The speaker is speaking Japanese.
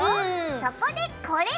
そこでこれ！